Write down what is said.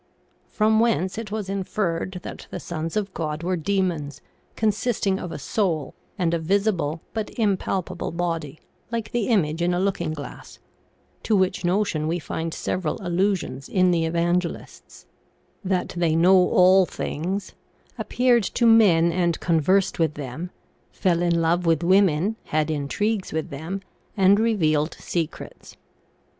' l From whence it was inferred that the sons of God were daemons, con sisting of a soul, and a visible but impalpable body, like 1 Genesis vi, 2. 79 80 THE SEVEN FOLLIES OF SCIENCE the image in a looking glass (to which notion we find several allusions in the evangelists) ; that they know all things, appeared to men and conversed with them, fell in love with women, had intrigues with them and revealed secrets.